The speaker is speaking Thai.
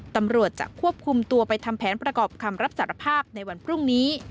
ตำรวจจะควบคุมตัวไปทำแผนประกอบคำรับสารภาพในวันพรุ่งนี้